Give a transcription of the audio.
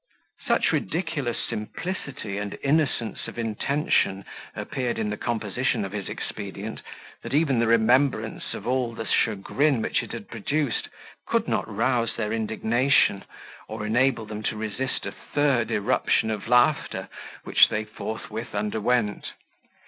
Such ridiculous simplicity and innocence of intention appeared in the composition of his expedient, that even the remembrance of all the chagrin which it had produced, could not rouse their indignation, or enable the to resist a third eruption of laughter which they forthwith underwent.